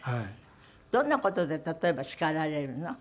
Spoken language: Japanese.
どんな事で例えば叱られるの？